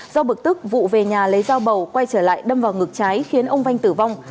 do bực tức vụ về nhà lấy dao bầu quay trở lại đâm vào ngực trái khiến ông vanh tử vong